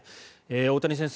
大谷先生